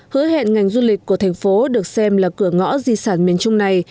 hứa hẹn ngành du lịch của thành phố được xem là cửa ngõ di sản miền trung này